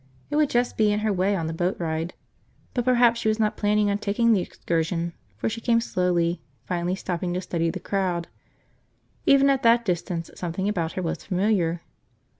It would just be in her way on the boat ride. But perhaps she was not planning on taking the excursion for she came slowly, finally stopping to study the crowd. Even at that distance something about her was familiar.